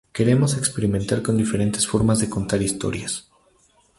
Queremos experimentar con diferentes formas de contar historias.